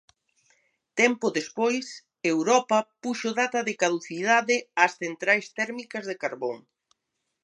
Tempo despois, Europa puxo data de caducidade ás centrais térmicas de carbón.